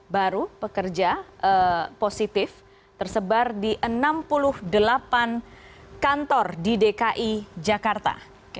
baru pekerja positif tersebar di enam puluh delapan kantor di dki jakarta